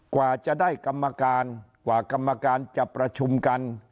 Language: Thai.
กว่าจะได้กรรมการกว่ากรรมการจะประชุมกัน